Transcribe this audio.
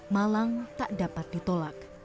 malang tak dapat ditolak